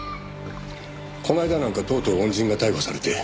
「この間なんかとうとう恩人が逮捕されて」